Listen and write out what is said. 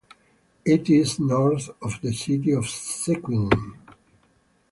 It is north of the city of Sequim.